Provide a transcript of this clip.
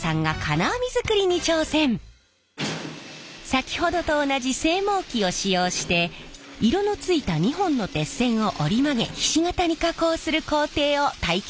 先ほどと同じ製網機を使用して色のついた２本の鉄線を折り曲げひし形に加工する工程を体験します。